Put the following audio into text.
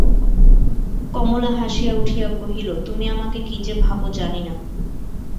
কমলা হাসিয়া উঠিয়া কহিল, তুমি আমাকে কী যে ভাব জানি না।